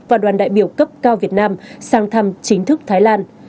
và đoàn đại biểu cấp cao việt nam sang thăm chính thức thái lan